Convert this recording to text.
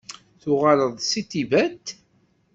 Tuɣaleḍ-d seg Tibet?